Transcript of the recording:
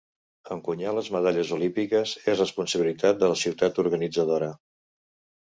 Encunyar les medalles olímpiques és responsabilitat de la ciutat organitzadora.